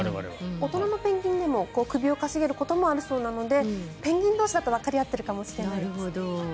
大人のペンギンでも首を傾げることもあるそうなのでペンギン同士だとわかり合っているかもしれないですね。